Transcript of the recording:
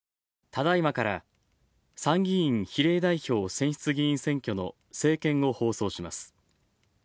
ただいまから参議院比例代表選出議員選挙の政見を放送します。